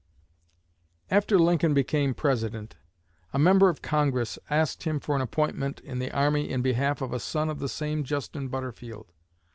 After Lincoln became President, a Member of Congress asked him for an appointment in the army in behalf of a son of the same Justin Butterfield.